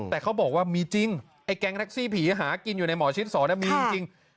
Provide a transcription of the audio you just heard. แต่เขาบอกว่ามีจริงไอ้แก๊งแท็กซี่ผีหากินอยู่ในหมอชิดสอนมีจริง